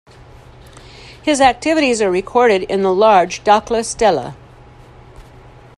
His activities are recorded in the Large Dakhla stela.